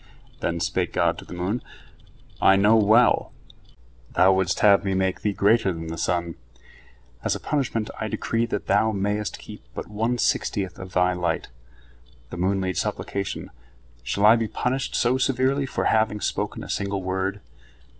Then spake God to the moon: "I know well, thou wouldst have me make Thee greater than the sun. As a punishment I decree that thou mayest keep but one sixtieth of thy light." The moon made supplication: "Shall I be punished so severely for having spoken a single word?"